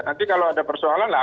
nanti kalau ada persoalan lah